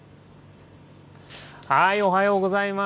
おはようございます。